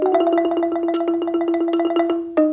ฝากฟรี